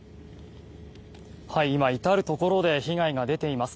今、至るところで被害が出ています。